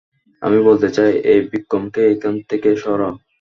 আমি বলতে চাই, এই ভিক্রমকে এখান থেকে সরাও!